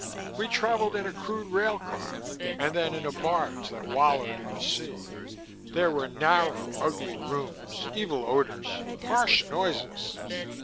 We traveled in a crude rail car, and then in a barge that wallowed in the sea. There were narrow, ugly rooms, evil odors, harsh noises."